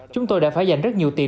chúng tôi đã phải dành rất nhiều tiền